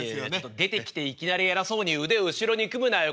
出てきていきなり偉そうに腕を後ろに組むなよ